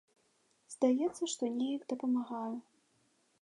Здаецца, што неяк дапамагаю.